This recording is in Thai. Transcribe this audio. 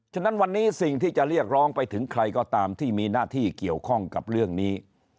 ฉะนั้นวันนี้สิ่งที่จะเรียกร้องไปถึงใครก็ตามที่มีหน้าที่เกี่ยวข้องกับเรื่องนี้